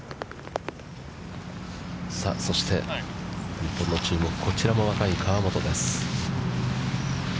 そして日本の注目、こちらも若い河本です。